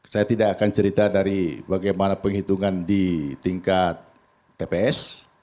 saya tidak akan cerita dari bagaimana penghitungan di tingkat tps